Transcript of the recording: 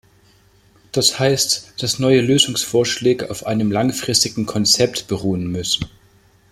Das heißt, dass neue Lösungsvorschläge auf einem langfristigen Konzept beruhen müssen.